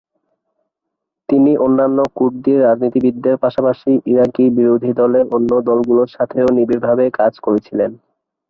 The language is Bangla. তিনি অন্যান্য কুর্দি রাজনীতিবিদদের পাশাপাশি ইরাকি বিরোধী দলের অন্য দলগুলির সাথেও নিবিড়ভাবে কাজ করেছিলেন।